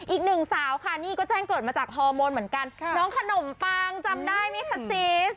อีกหนึ่งสาวค่ะนี่ก็แจ้งเกิดมาจากฮอร์โมนเหมือนกันน้องขนมปังจำได้ไหมคะซีส